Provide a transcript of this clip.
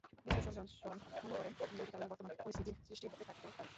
বিশ্লেষক জনসন মনে করেন, দুটি কারণে বর্তমান পরিস্থিতির সৃষ্টি হয়ে থাকতে পারে।